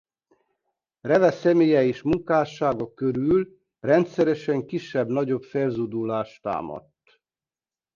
Reve személye és munkássága körül rendszeresen kisebb-nagyobb felzúdulás támadt.